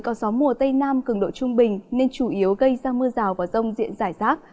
có gió mùa tây nam cường độ trung bình nên chủ yếu gây ra mưa rào và rông diện rải rác